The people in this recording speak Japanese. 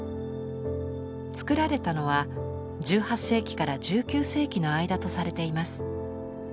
つくられたのは１８世紀から１９世紀の間とされています。